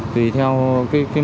tùy theo mức độ mình sai phạt